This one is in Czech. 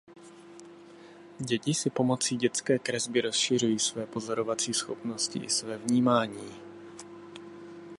Děti si pomocí dětské kresby rozšiřují své pozorovací schopnosti i své vnímání.